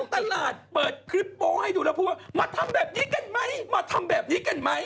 การตลาดเปิดคลิปโปรห์ให้ดูแล้วก็ไม่ว่ามาทำแบบนี้กันไหม